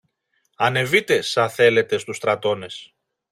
Ανεβείτε, σα θέλετε, στους στρατώνες